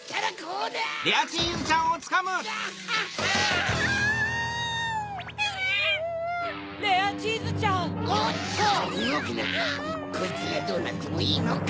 うごくなこいつがどうなってもいいのか？